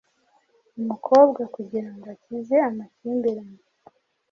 umukobwa kugira ngo akize amakimbirane